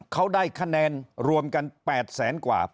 เขาได้คะแนนรวมกัน๘๐๐๐กว่า๘๐๒